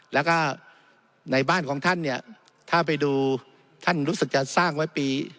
แล้วก็ในบ้านของท่านเนี่ยถ้าไปดูท่านรู้สึกจะสร้างไว้ปี